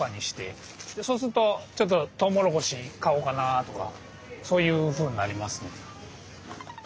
そうするとちょっとトウモロコシ買おうかなとかそういうふうになります。